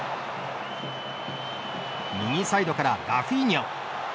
右サイドからラフィーニャ。